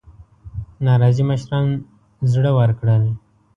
ناراضي مشران زړه ورکړل.